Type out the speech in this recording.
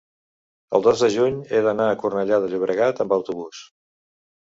el dos de juny he d'anar a Cornellà de Llobregat amb autobús.